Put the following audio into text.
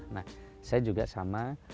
nah saya juga sama